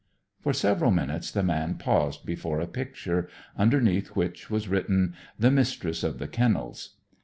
For several minutes the man paused before a picture, underneath which was written: "The Mistress of the Kennels."